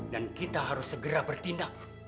dan kita harus segera bertindak